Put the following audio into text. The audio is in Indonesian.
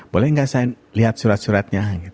boleh nggak saya lihat surat suratnya